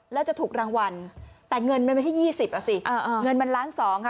แล้วจะถูกรางวัลแต่เงินมันไม่ใช่๒๐อ่ะสิเงินมันล้านสองค่ะ